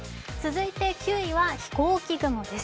９位は飛行機雲です。